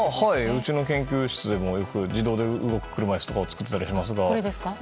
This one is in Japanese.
うちの研究室でもよく自動で動く車椅子を作ってたりしますが。